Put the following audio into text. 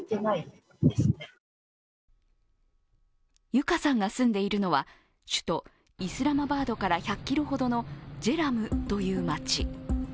ユカさんが住んでいるのは首都イスラマバードから１００ｋｍほどのジェラムという町。